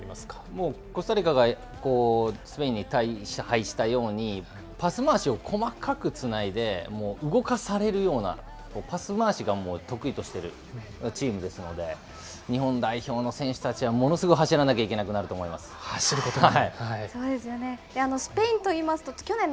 もうコスタリカがスペインに対してはいしたようにパス回しを細かくつないで、動かされるような、パス回しを得意としているチームですので、日本代表の選手たちは、ものすごく走らなきゃいけ走ることが。